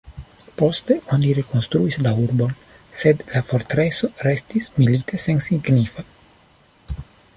Poste oni rekonstruis la urbon, sed la fortreso restis milite sensignifa.